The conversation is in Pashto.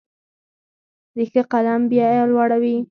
د ښه قلم بیه لوړه وي.